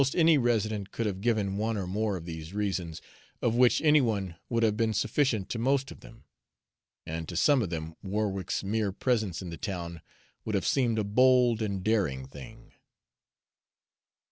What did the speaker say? Almost any resident could have given one or more of these reasons, of which any one would have been sufficient to most of them; and to some of them Warwick's mere presence in the town would have seemed a bold and daring thing.